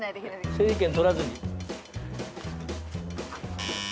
整理券取らずに。